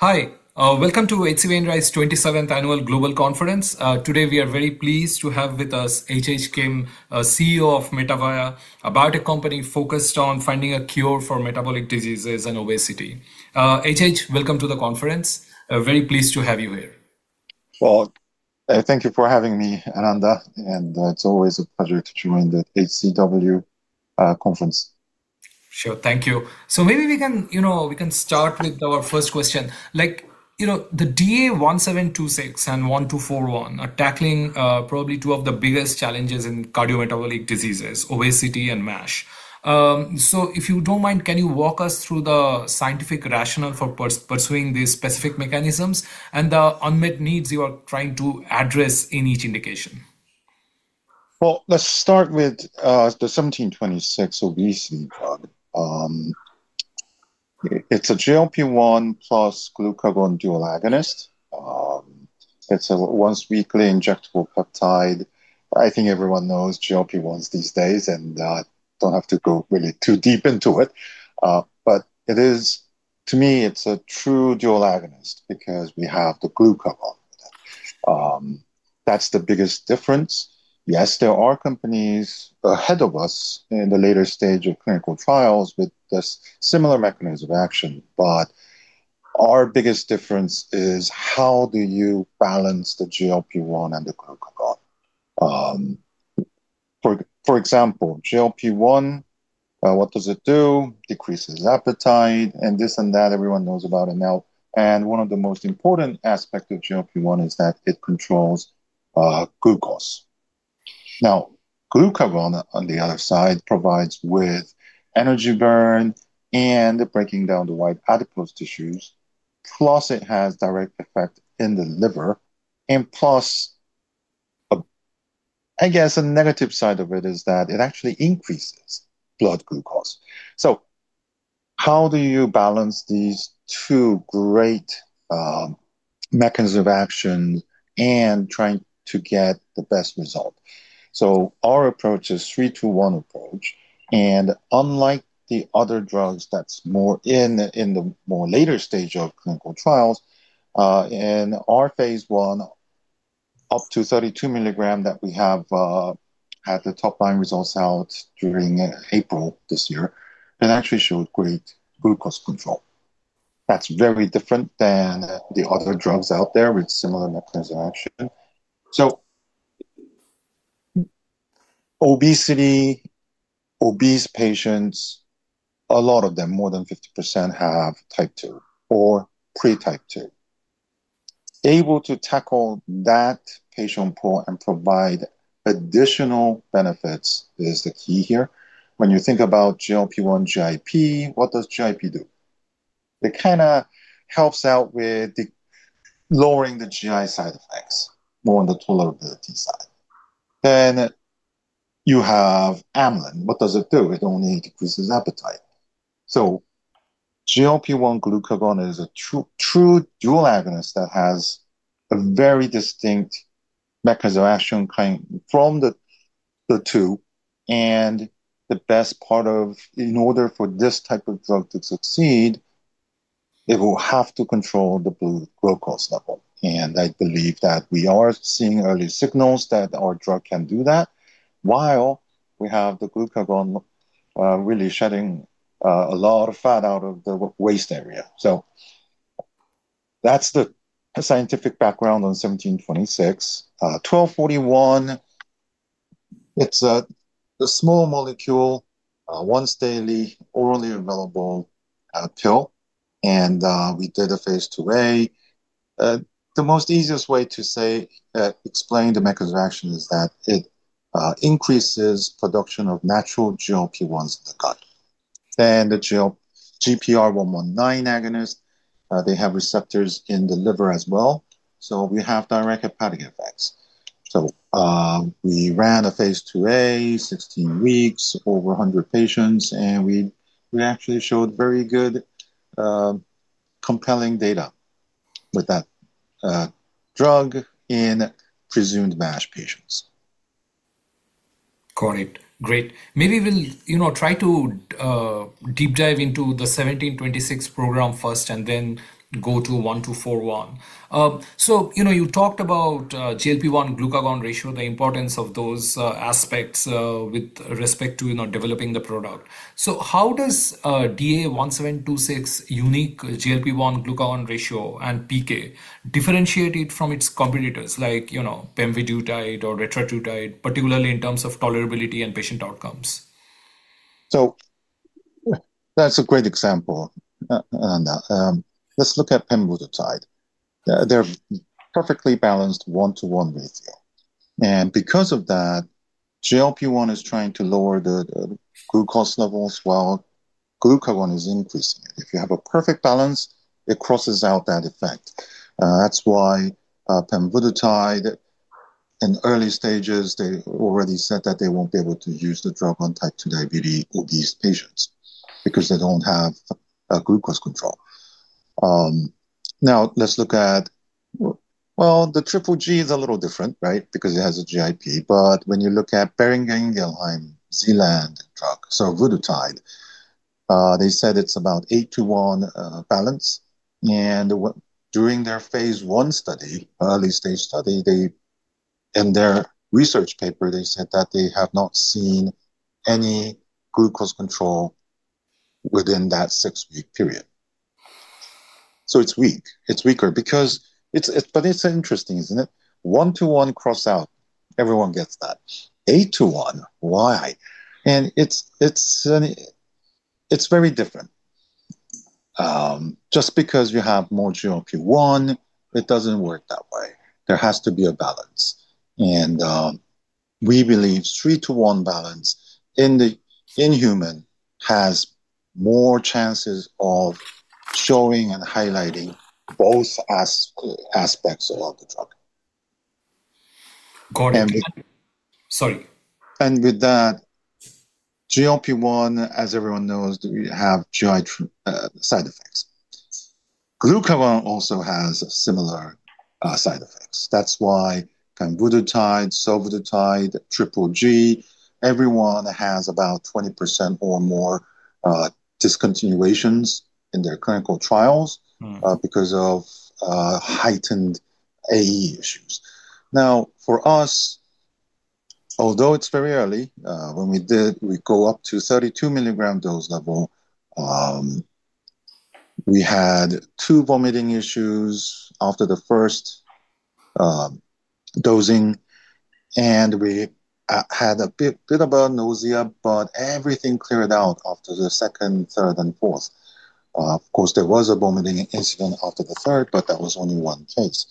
Hi, welcome to HCV and RISE's 27th annual global conference. Today, we are very pleased to have with us HH Kim, CEO of MetaVia., a biotech company focused on finding a cure for metabolic diseases and obesity. HH, welcome to the conference. We're very pleased to have you here. Thank you for having me, Ananda. It's always a pleasure to join the HCW conference. Sure, thank you. Maybe we can start with our first question. The DA-1726 and DA-1241 are tackling probably two of the biggest challenges in cardiometabolic diseases: obesity and NASH. If you don't mind, can you walk us through the scientific rationale for pursuing these specific mechanisms and the unmet needs you are trying to address in each indication? Let's start with the DA-1726 obesity drug. It's a GLP-1/glucagon dual agonist. It's a once-weekly injectable peptide. I think everyone knows GLP-1s these days, and I don't have to go really too deep into it. It is, to me, a true dual agonist because we have the glucagon. That's the biggest difference. Yes, there are companies ahead of us in the later stage of clinical trials with this similar mechanism of action. Our biggest difference is how do you balance the GLP-1 and the glucagon? For example, GLP-1, what does it do? It decreases appetite, and this and that, everyone knows about it now. One of the most important aspects of GLP-1 is that it controls glucose. Glucagon, on the other side, provides energy burn and breaking down the white adipose tissues. Plus, it has a direct effect in the liver. A negative side of it is that it actually increases blood glucose. How do you balance these two great mechanisms of action and try to get the best result? Our approach is a three-to-one approach. Unlike the other drugs that are in the more later stage of clinical trials, in our Phase I, up to 32 mg that we have had the top-line results out during April this year, actually showed great glucose control. That's very different than the other drugs out there with similar mechanisms of action. Obese patients, a lot of them, more than 50%, have type 2 or pre-type 2. Able to tackle that patient pool and provide additional benefits is the key here. When you think about GLP-1, GIP, what does GIP do? It kind of helps out with lowering the GI side effects, more on the tolerability side. You have AMLIN. What does it do? It only decreases appetite. GLP-1/glucagon is a true dual agonist that has a very distinct mechanism of action from the two. The best part of, in order for this type of drug to succeed, it will have to control the glucose level. I believe that we are seeing early signals that our drug can do that while we have the glucagon really shedding a lot of fat out of the waist area. That's the scientific background on DA-1726. DA-1241, it's a small molecule, once daily, orally available pill. We did a Phase IIA. The most easiest way to explain the mechanism of action is that it increases production of natural GLP-1s in the gut. The GPR-119 agonist, they have receptors in the liver as well. We have direct hepatic effects. We ran a Phase 2A, 16 weeks, over 100 patients, and we actually showed very good, compelling data with that drug in presumed NASH patients. Got it. Great. Maybe we'll try to deep dive into the DA-1726 program first and then go to DA-1241. You talked about GLP-1/glucagon ratio, the importance of those aspects with respect to developing the product. How does DA-1726's unique GLP-1/glucagon ratio and PK differentiate it from its competitors, like pemvidutide or retatrutide, particularly in terms of tolerability and patient outcomes? That's a great example, Ananda. Let's look at pemvidutide. They're perfectly balanced one-to-one ratio, and because of that, GLP-1 is trying to lower the glucose levels while glucagon is increasing. If you have a perfect balance, it crosses out that effect. That's why pemvidutide in early stages, they already said that they won't be able to use the drug on type 2 diabetes obese patients because they don't have glucose control. Now, the triple G is a little different, right? Because it has a GIP. When you look at retatrutide, the Eli Lilly drug, so retatrutide, they said it's about eight to one balance. During their Phase I study, early stage study, in their research paper, they said that they have not seen any glucose control within that six-week period. It's weak. It's weaker, but it's interesting, isn't it? One to one cross out. Everyone gets that, 8:1. Why? It's very different. Just because you have more GLP-1, it doesn't work that way. There has to be a balance. We believe three to one balance in the inhuman has more chances of showing and highlighting both aspects of the drug. Got it. Sorry. With that, GLP-1, as everyone knows, we have GI side effects. Glucagon also has similar side effects. That's why pemvidutide, retatrutide, triple G, everyone has about 20% or more discontinuations in their clinical trials because of heightened AE issues. For us, although it's very early, when we did, we go up to 32 mg dose level. We had two vomiting issues after the first dosing. We had a bit of nausea, but everything cleared out after the second, third, and fourth. There was a vomiting incident after the third, but that was only one case.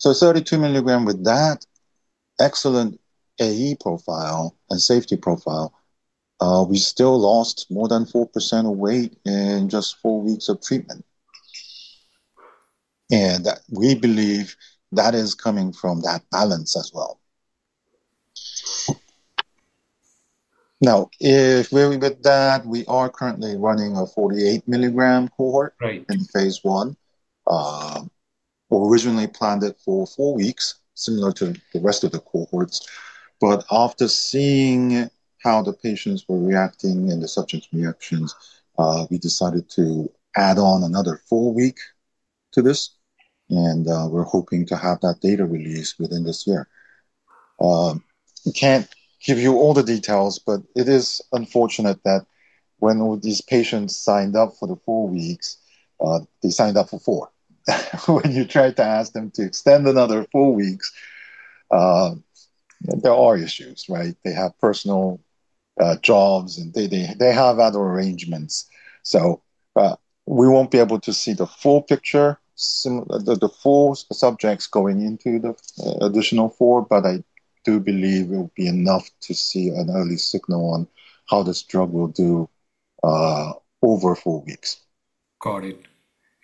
32 mg with that excellent AE profile and safety profile, we still lost more than 4% of weight in just four weeks of treatment. We believe that is coming from that balance as well. We are currently running a 48 mg cohort in Phase I. Originally planned it for four weeks, similar to the rest of the cohorts. After seeing how the patients were reacting and the subsequent reactions, we decided to add on another four weeks to this. We're hoping to have that data released within this year. I can't give you all the details, but it is unfortunate that when these patients signed up for the four weeks, they signed up for four. When you tried to ask them to extend another four weeks, there are issues, right? They have personal jobs, and they have other arrangements. We won't be able to see the full picture, the full subjects going into the additional four, but I do believe it will be enough to see an early signal on how this drug will do over four weeks.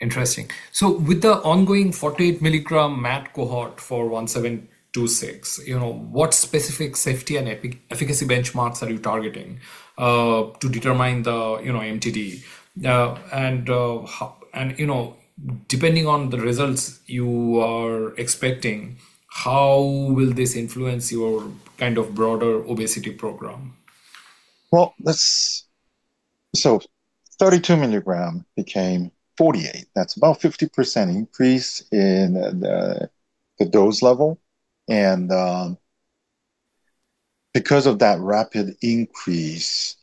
Interesting. With the ongoing 48 mg MAT cohort for DA-1726, what specific safety and efficacy benchmarks are you targeting to determine the MTD? Depending on the results you are expecting, how will this influence your broader obesity program? Thirty-two milligrams became forty-eight. That's about a 50% increase in the dose level. Because of that rapid increase,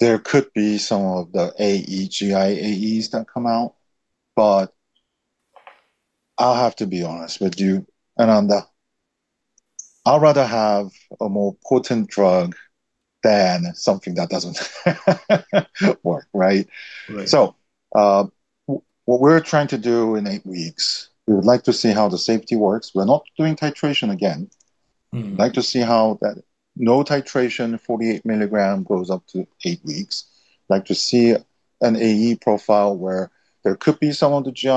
there could be some of the AE, GI AEs that come out. I'll have to be honest with you, Ananda. I'd rather have a more potent drug than something that doesn't work, right? What we're trying to do in eight weeks, we would like to see how the safety works. We're not doing titration again. We'd like to see how that no titration 48 mg goes up to eight weeks. We'd like to see an AE profile where there could be some of the GI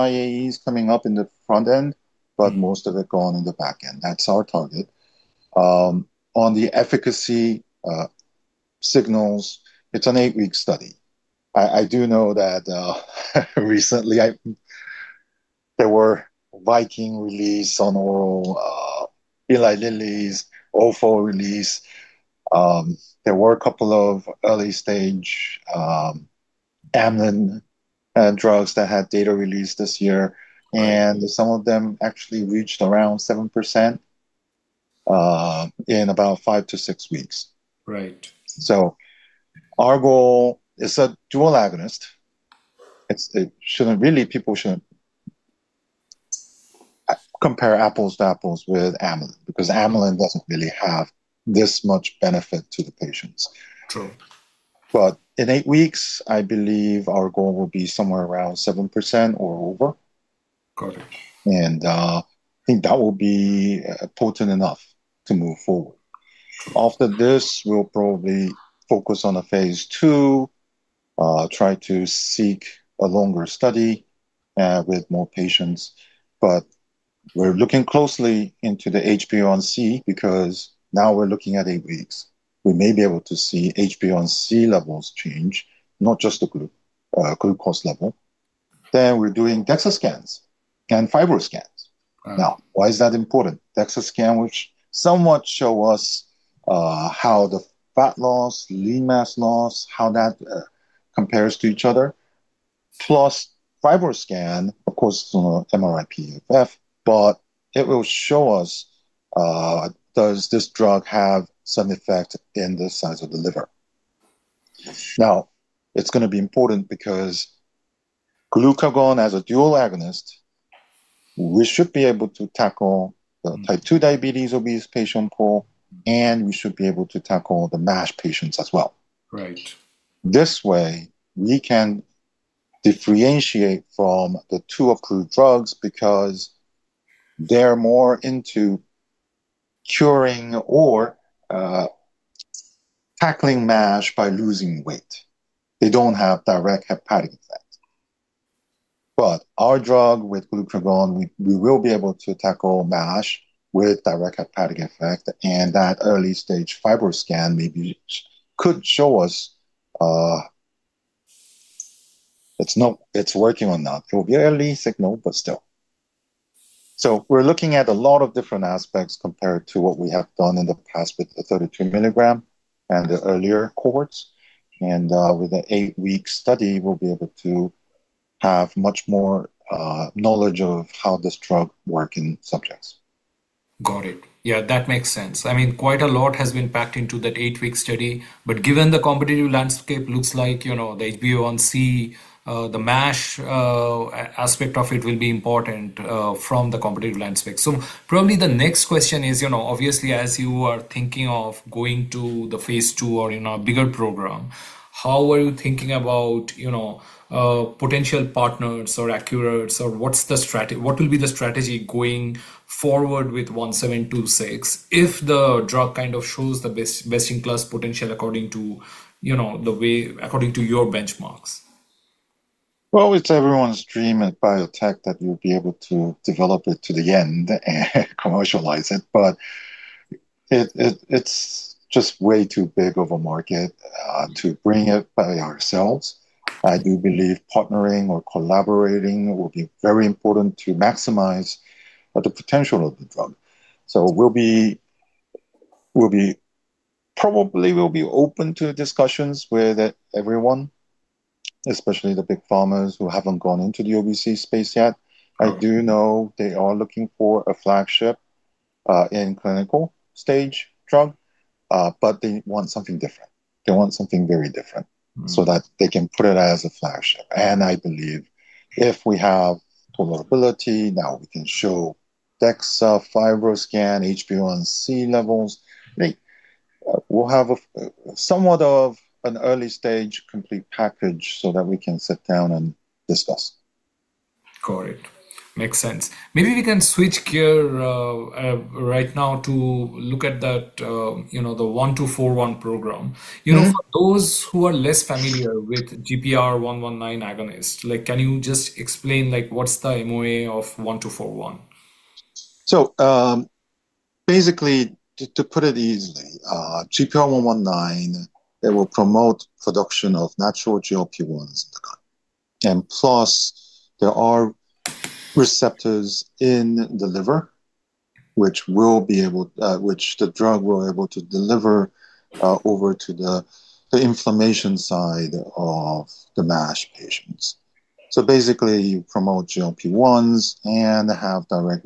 AEs coming up in the front end, but most of it gone in the back end. That's our target. On the efficacy signals, it's an eight-week study. I do know that recently there were Viking release on oral, Eli Lilly's oral 4 release. There were a couple of early stage AMLIN drugs that had data released this year. Some of them actually reached around 7% in about 5-6 weeks. Right. Our goal is a dual agonist. People shouldn't compare apples to apples with AMLIN because AMLIN doesn't really have this much benefit to the patients. True. In eight weeks, I believe our goal will be somewhere around 7% or over. Got it. I think that will be potent enough to move forward. After this, we'll probably focus on a Phase II, try to seek a longer study with more patients. We're looking closely into the HbA1c because now we're looking at eight weeks. We may be able to see HbA1c levels change, not just the glucose level. We're doing DEXA scans and FibroScans. Why is that important? DEXA scan will somewhat show us how the fat loss, lean mass loss, how that compares to each other. Plus, FibroScan, of course, MRI PEF, but it will show us, does this drug have some effect in the size of the liver? It's going to be important because glucagon as a dual agonist, we should be able to tackle the type 2 diabetes obese patient pool, and we should be able to tackle the NASH patients as well. Right. This way, we can differentiate from the two approved drugs because they're more into curing or tackling NASH by losing weight. They don't have direct hepatic effect. Our drug with glucagon, we will be able to tackle NASH with direct hepatic effect. That early stage FibroScan maybe could show us it's working or not. It will be an early signal, but still, we're looking at a lot of different aspects compared to what we have done in the past with the 32 mg and the earlier cohorts. With the eight-week study, we'll be able to have much more knowledge of how this drug works in subjects. Got it. Yeah, that makes sense. Quite a lot has been packed into that eight-week study. Given the competitive landscape, it looks like the HbA1c, the NASH aspect of it will be important from the competitive landscape. Probably the next question is, obviously, as you are thinking of going to the Phase II or in a bigger program, how are you thinking about potential partners or accurates or what's the strategy? What will be the strategy going forward with DA-1726 if the drug kind of shows the best-in-class potential according to the way, according to your benchmarks? It's everyone's dream in biotech that we'll be able to develop it to the end and commercialize it. It's just way too big of a market to bring it by ourselves. I do believe partnering or collaborating will be very important to maximize the potential of the drug. We'll be open to discussions with everyone, especially the big pharmacies who haven't gone into the OBC space yet. I do know they are looking for a flagship in clinical stage drug, but they want something different. They want something very different so that they can put it as a flagship. I believe if we have tolerability, now we can show DEXA, FibroScan, HbA1c levels. We'll have somewhat of an early stage complete package so that we can sit down and discuss. Got it. Makes sense. Maybe we can switch gears right now to look at that, you know, the DA-1241 program. You know, for those who are less familiar with GPR-119 agonists, can you just explain what's the MOA of DA-1241? Basically, to put it easily, GPR-119 will promote production of natural GLP-1s. Plus, there are receptors in the liver, which the drug will be able to deliver over to the inflammation side of the NASH patients. You promote GLP-1s and have direct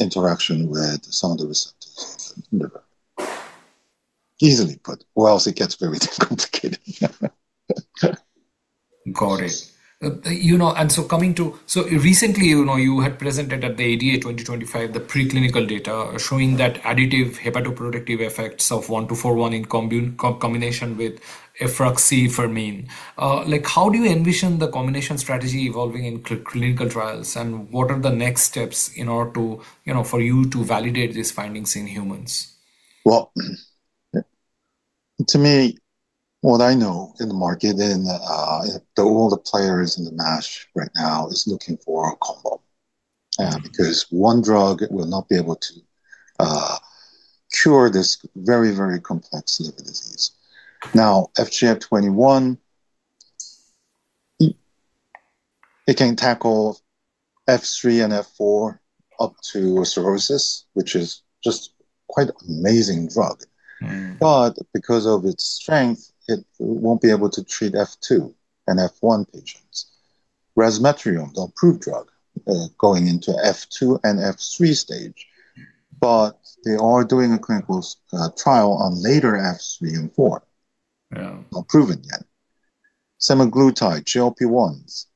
interaction with some of the receptors in the liver. Easily put, or else it gets very complicated. Got it. You know, and so coming to, so recently, you had presented at the ADA 2025 the preclinical data showing the additive hepatoprotective effects of DA-1241 in combination with FGF21 analogues. How do you envision the combination strategy evolving in clinical trials, and what are the next steps in order for you to validate these findings in humans? To me, what I know in the market and all the players in the NASH right now is looking for a combo. Yeah, because one drug will not be able to cure this very, very complex liver disease. Now, FGF21, it can tackle F3 and F4 up to cirrhosis, which is just quite an amazing drug. Because of its strength, it won't be able to treat F2 and F1 patients. Rasmatrium, the approved drug, going into F2 and F3 stage. They are doing a clinical trial on later F3 and F4, not proven yet. Semaglutide, GLP-1s.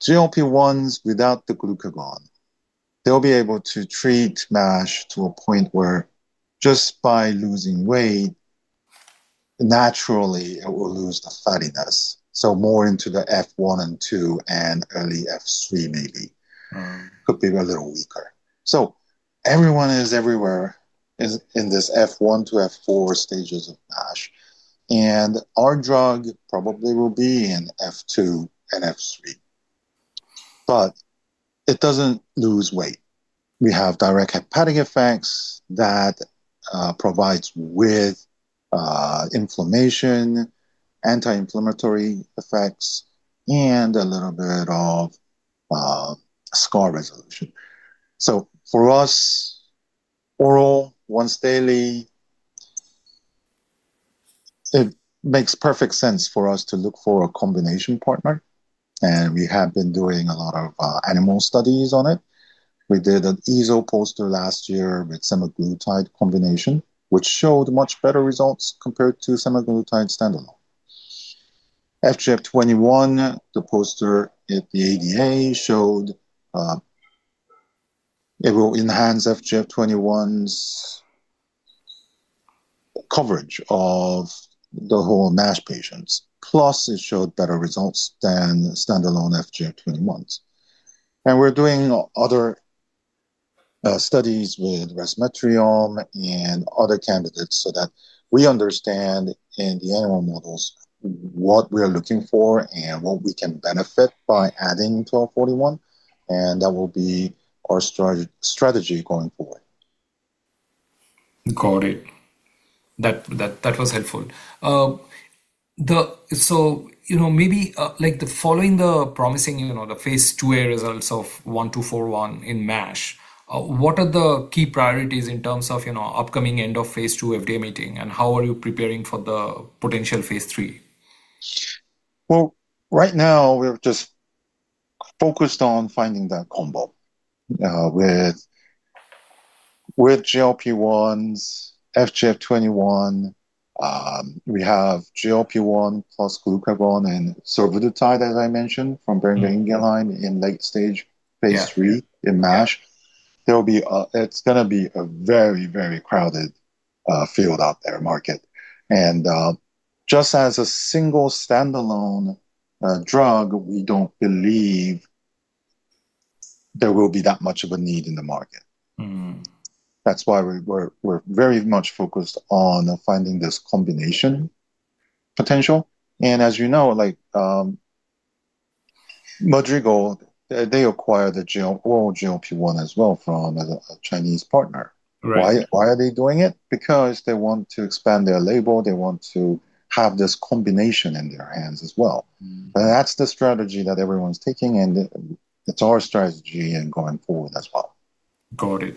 GLP-1s without the glucagon, they'll be able to treat NASH to a point where just by losing weight, naturally, it will lose the fattiness. More into the F1 and F2 and early F3 maybe. It could be a little weaker. Everyone is everywhere in this F1 to F4 stages of NASH. Our drug probably will be in F2 and F3. It doesn't lose weight. We have direct hepatic effects that provide inflammation, anti-inflammatory effects, and a little bit of scar resolution. For us, oral, once daily, it makes perfect sense for us to look for a combination partner. We have been doing a lot of animal studies on it. We did an EASL poster last year with semaglutide combination, which showed much better results compared to semaglutide standalone. FGF21, the poster at the ADA showed it will enhance FGF21's coverage of the whole NASH patients. Plus, it showed better results than standalone FGF21s. We're doing other studies with Rasmatrium and other candidates so that we understand in the animal models what we're looking for and what we can benefit by adding DA-1241. That will be our strategy going forward. Got it. That was helpful. Maybe following the promising Phase IIA results of DA-1241 in NASH, what are the key priorities in terms of upcoming end of Phase II FDA meeting, and how are you preparing for the potential Phase III? Right now, we're just focused on finding that combo. With GLP-1s, FGF21, we have GLP-1 plus glucagon and retatrutide, as I mentioned, from Eli Lilly in late stage Phase III in NASH. It's going to be a very, very crowded field out there, market. Just as a single standalone drug, we don't believe there will be that much of a need in the market. That's why we're very much focused on finding this combination potential. As you know, like Novo Nordisk, they acquired the oral GLP-1 as well from a Chinese partner. Why are they doing it? Because they want to expand their label. They want to have this combination in their hands as well. That's the strategy that everyone's taking. It's our strategy in going forward as well. Got it.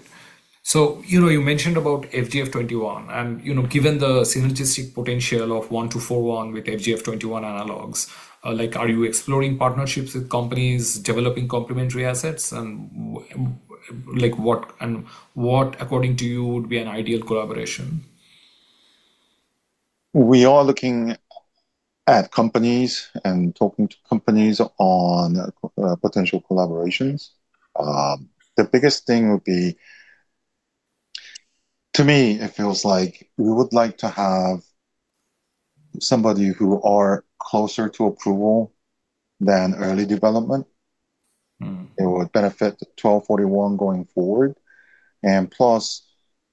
You mentioned about FGF21. Given the synergistic potential of DA-1241 with FGF21 analogues, are you exploring partnerships with companies developing complementary assets? What, according to you, would be an ideal collaboration? We are looking at companies and talking to companies on potential collaborations. The biggest thing would be, to me, it feels like we would like to have somebody who is closer to approval than early development. It would benefit DA-1241 going forward. Plus,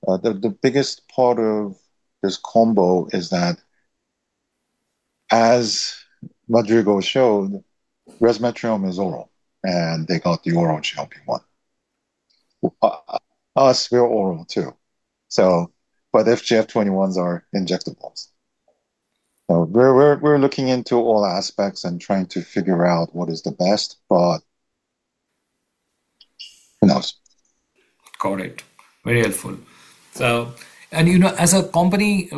the biggest part of this combo is that, as Modrigo showed, Resmetirom is oral, and they got the oral GLP-1. Plus, we're oral too. FGF21 analogues are injectables. We are looking into all aspects and trying to figure out what is the best, but who knows? Got it. Very helpful. As a company,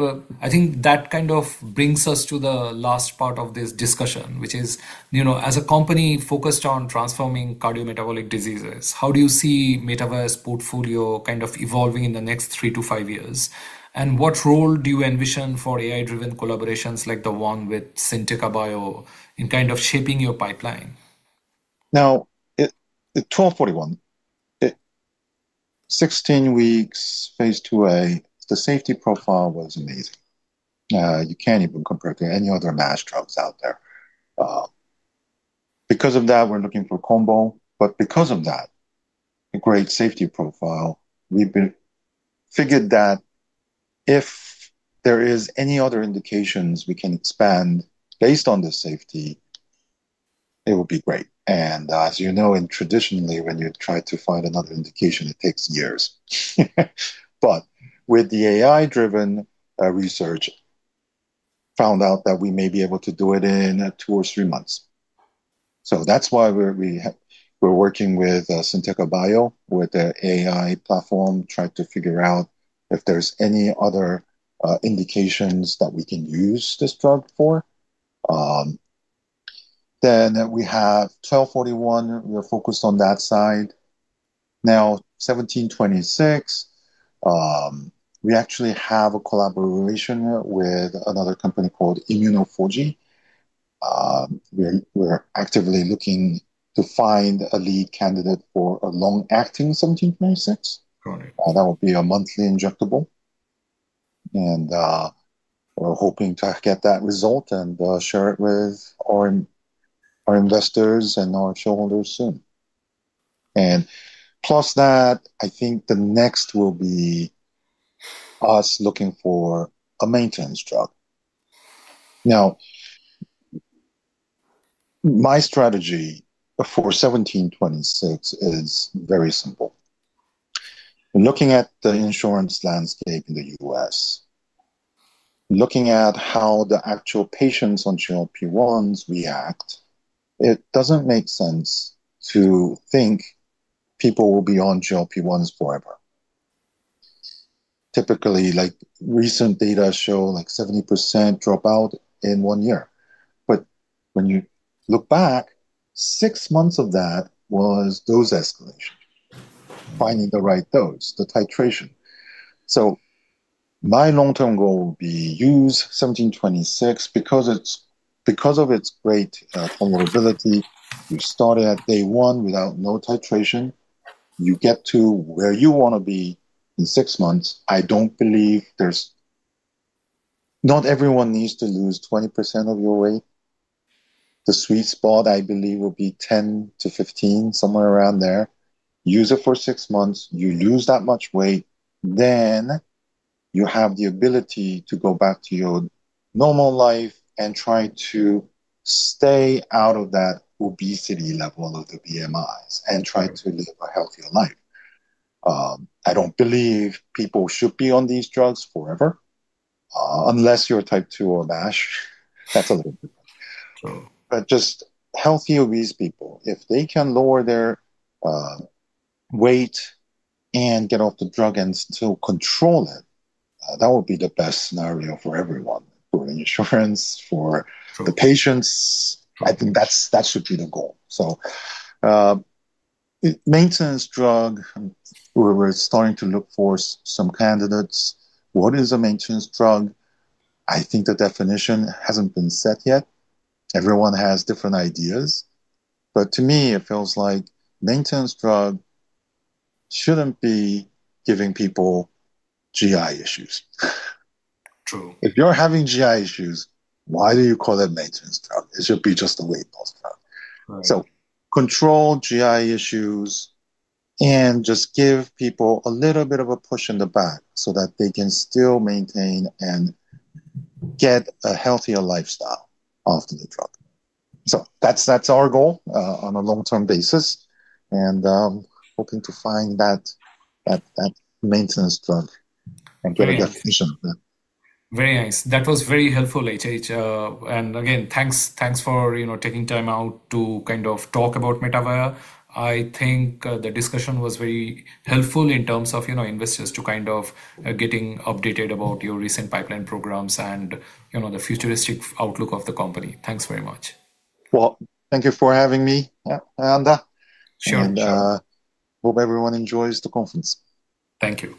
I think that kind of brings us to the last part of this discussion, which is, you know, as a company focused on transforming cardiometabolic diseases, how do you see MetaVia's portfolio kind of evolving in the next three to five years? What role do you envision for AI-driven collaborations like the one with Syntekabio in kind of shaping your pipeline? Now, the DA-1241, 16 weeks, Phase IIA, the safety profile was amazing. You can't even compare it to any other NASH drugs out there. Because of that, we're looking for a combo. Because of that, a great safety profile, we figured that if there are any other indications we can expand based on the safety, it would be great. As you know, traditionally, when you try to find another indication, it takes years. With the AI-driven research, we found out that we may be able to do it in two or three months. That's why we're working with Syntekabio with the AI platform, trying to figure out if there are any other indications that we can use this drug for. We have DA-1241. We're focused on that side. Now, DA-1726, we actually have a collaboration with another company called Immunoforge. We're actively looking to find a lead candidate for a long-acting DA-1726. That will be a monthly injectable. We're hoping to get that result and share it with our investors and our shareholders soon. Plus that, I think the next will be us looking for a maintenance drug. Now, my strategy for DA-1726 is very simple. Looking at the insurance landscape in the U.S., looking at how the actual patients on GLP-1s react, it doesn't make sense to think people will be on GLP-1s forever. Typically, like recent data show, like 70% dropout in one year. When you look back, six months of that was dose escalation, finding the right dose, the titration. My long-term goal will be to use DA-1726 because of its great tolerability. You start at day one with no titration. You get to where you want to be in six months. I don't believe everyone needs to lose 20% of your weight. The sweet spot, I believe, will be 10 %- 15%, somewhere around there. Use it for six months. You lose that much weight. Then you have the ability to go back to your normal life and try to stay out of that obesity level of the BMIs and try to live a healthier life. I don't believe people should be on these drugs forever unless you're type 2 or NASH. That's a little bit different. Just healthy obese people, if they can lower their weight and get off the drug and still control it, that would be the best scenario for everyone, for the insurance, for the patients. I think that should be the goal. Maintenance drug, we're starting to look for some candidates. What is a maintenance drug? I think the definition hasn't been set yet. Everyone has different ideas. To me, it feels like a maintenance drug shouldn't be giving people GI issues. If you're having GI issues, why do you call it a maintenance drug? It should be just a weight loss drug. Control GI issues and just give people a little bit of a push in the back so that they can still maintain and get a healthier lifestyle after the drug. That's our goal on a long-term basis. I'm hoping to find that maintenance drug and get a definition of that. Very nice. That was very helpful, HH. Thanks for taking time out to talk about MetaVia. I think the discussion was very helpful in terms of investors getting updated about your recent pipeline programs and the futuristic outlook of the company. Thanks very much. Thank you for having me, Ananda. I hope everyone enjoys the conference. Thank you.